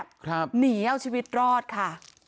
หนีเอาชีวิตรอดค่ะ